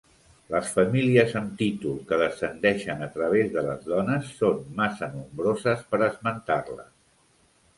Les famílies amb títol que descendeixen a través de les dones són massa nombroses per esmentar-les.